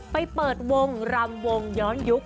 ไปเปิดวงรำวงย้อนยุค